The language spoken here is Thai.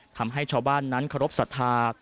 ทำให้ชาวบ้านนั้นเคารพสัทธา